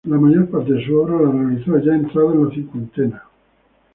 La mayor parte de su obra la realizó ya entrado en la cincuentena.